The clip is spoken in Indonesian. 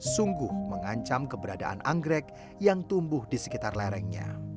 sungguh mengancam keberadaan anggrek yang tumbuh di sekitar lerengnya